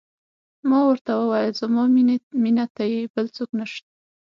ما ورته وویل: زما مینه ته یې، بل څوک نه شته.